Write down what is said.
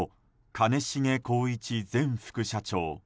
兼重宏一前副社長。